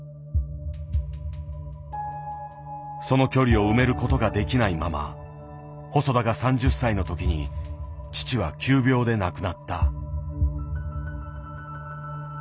その距離を埋める事ができないまま細田が３０歳の時に父は急病で亡くなった。